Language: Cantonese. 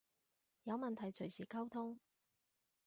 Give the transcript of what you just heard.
有問題隨時溝通